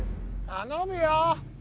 頼むよ！